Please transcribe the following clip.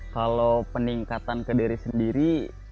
kalau peningkatan ke diri sendiri